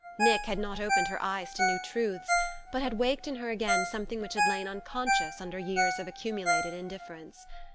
Nick had not opened her eyes to new truths, but had waked in her again something which had lain unconscious under years of accumulated indifference.